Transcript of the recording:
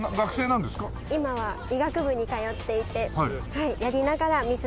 今は医学部に通っていてやりながらミス